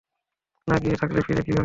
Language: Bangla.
না গিয়ে থাকলে ফিরে কীভাবে এলো?